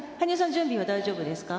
準備は大丈夫ですか？」